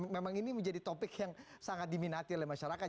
memang ini menjadi topik yang sangat diminati oleh masyarakat